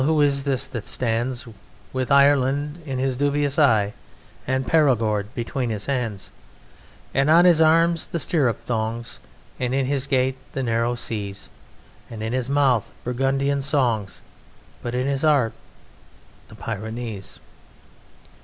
Who is this that stands With Ireland in his dubious eye, And Perigord between his hands, "'And on his arm the stirrup thongs, And in his gait the narrow seas, And in his mouth Burgundian songs, But in his heart the Pyrenees?'